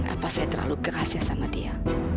apa saya terlalu kerasia sama dia